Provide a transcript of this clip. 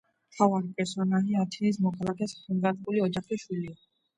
მთავარი პერსონაჟი, ათენის მოქალაქე, სახელგანთქმული ოჯახის შვილია.